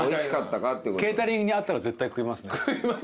ケータリングにあったら絶対食いますね。